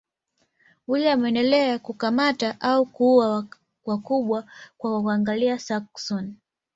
William aliendelea kukamata au kuua wakubwa wa Waanglia-Saksoni.